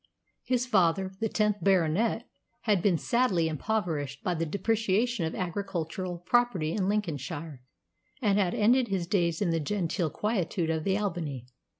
His father, the tenth Baronet, had been sadly impoverished by the depreciation of agricultural property in Lincolnshire, and had ended his days in the genteel quietude of the Albany.